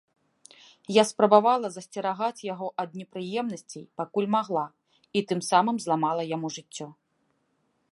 Я спрабавала засцерагаць яго ад непрыемнасцей, пакуль магла, і тым самым зламала яму жыццё.